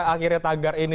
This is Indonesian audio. akhirnya tagar ini